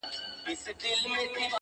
را لنډ کړی به مي خپل د ژوند مزل وي -